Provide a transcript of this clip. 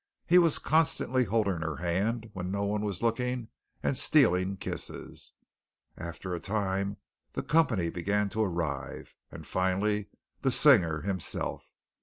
He was constantly holding her hand when no one was looking and stealing kisses. After a time the company began to arrive, and finally the singer himself.